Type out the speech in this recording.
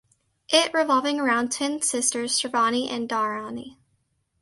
It revolving around twin sisters Sravani and Dharani.